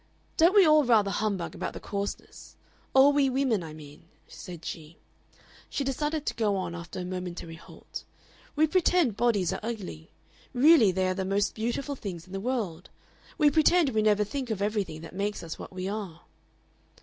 "Don't we all rather humbug about the coarseness? All we women, I mean," said she. She decided to go on, after a momentary halt. "We pretend bodies are ugly. Really they are the most beautiful things in the world. We pretend we never think of everything that makes us what we are."